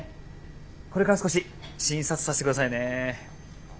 これから少し診察させて下さいね。